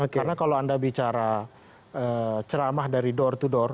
karena kalau anda bicara ceramah dari door to door